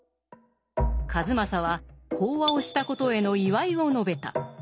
数正は講和をしたことへの祝いを述べた。